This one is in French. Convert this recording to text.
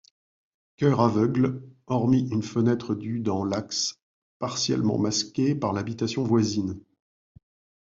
Chœur aveugle, hormis une fenêtre du dans l'axe, partiellement masquée par l'habitation voisine.